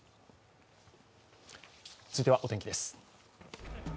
続いてはお天気です。